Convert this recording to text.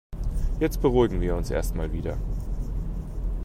Jetzt beruhigen wir uns erst mal wieder.